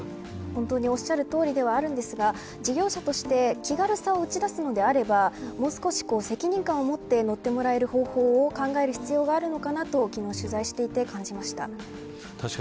本当におっしゃる通りではありますが事業者として気軽さを打ち出すのであればもう少し、責任感を持って乗ってもらえる方法を考える必要があると取材していて感じました。